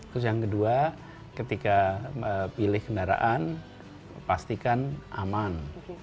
terus yang kedua ketika pilih kendaraan pastikan aman